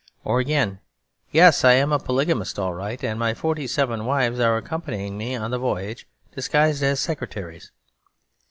Or again, 'Yes, I am a polygamist all right, and my forty seven wives are accompanying me on the voyage disguised as secretaries.'